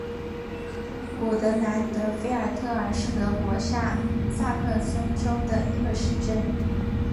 古德兰德菲尔特尔是德国下萨克森州的一个市镇。